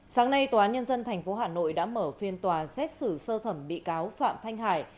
sáng nay tòa án nhân dân tp hà nội đã mở phiên tòa xét xử sơ thẩm bị cáo phạm thanh hải